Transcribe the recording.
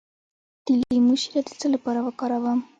د لیمو شیره د څه لپاره وکاروم؟